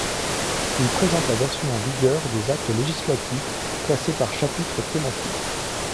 Il présente la version en vigueur des actes législatifs, classés par chapitres thématiques.